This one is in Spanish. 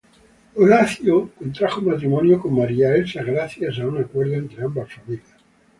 Horacio contrajo matrimonio con Maria Elsa gracias a un acuerdo entre ambas familias.